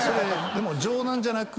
でも冗談じゃなく。